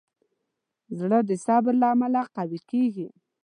زړه د صبر له امله قوي کېږي.